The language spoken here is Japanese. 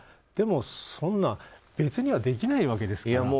でも、それは別にはできないわけですから。